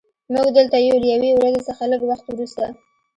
موږ دلته یو له یوې ورځې څخه لږ وخت وروسته